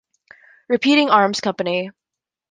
Repeating Arms Company.